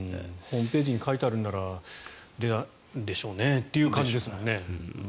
ホームページに書いてあるのならでしょうねという感じですもんね。